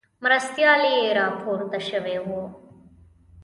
مرستیال یې راپورته شوی وو.